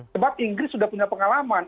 sebab inggris sudah punya pengalaman